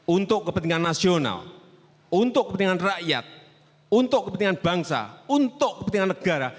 untuk kepentingan nasional untuk kepentingan rakyat untuk kepentingan bangsa untuk kepentingan negara